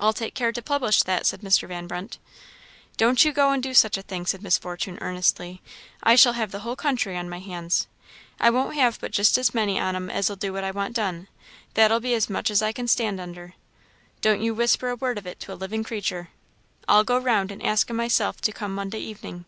"I'll take care to publish that," said Mr. Van Brunt. "Don't you go and do such a thing," said Miss Fortune, earnestly. "I shall have the whole country on my hands. I won't have but just as many on 'em as'll do what I want done; that'll be as much as I can stand under. Don't you whisper a word of it to a living creature. I'll go round and ask 'em myself to come Monday evening."